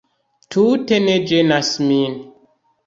Tute ne ĝenas min